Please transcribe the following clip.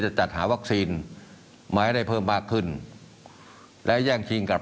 จัดหาวัคซีนมาให้ได้เพิ่มมากขึ้นและแย่งชิงกับ